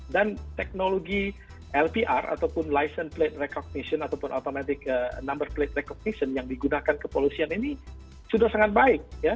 dan teknologi lpr ataupun license plate recognition ataupun automatic number plate recognition yang digunakan kepolisian ini sudah sangat baik ya